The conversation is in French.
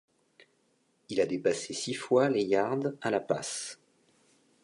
Il a dépassé six fois les yards à la passe.